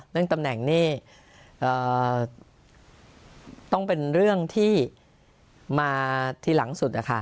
เรื่องตำแหน่งนี่ต้องเป็นเรื่องที่มาทีหลังสุดนะคะ